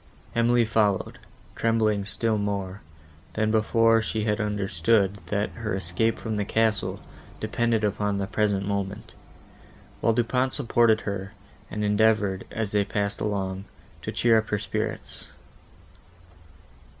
Emily followed, trembling still more, than before she had understood, that her escape from the castle, depended upon the present moment; while Du Pont supported her, and endeavoured, as they passed along, to cheer her spirits.